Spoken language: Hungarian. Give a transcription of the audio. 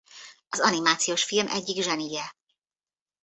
Az animációs film egyik zsenije.